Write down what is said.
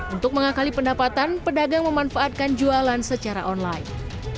untuk mengakali pendapatan pedagang memanfaatkan jualan secara online